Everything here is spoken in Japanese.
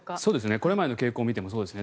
これまでの傾向を見てもそうですね。